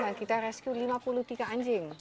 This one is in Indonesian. dan kita rescue lima puluh tiga anjing